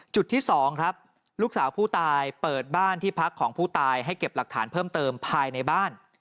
จุดที่๒ครับลูกสาวผู้ตายเปิดบ้านที่พักของผู้ตายให้เก็บหลักฐานเพิ่มเติมภายในบ้าน